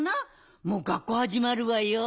もう学校はじまるわよ。